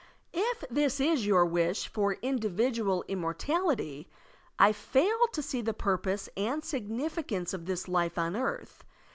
If this is yotu wish for individttal immcK' tality, I fail to see the purpose and significance of this life on earth.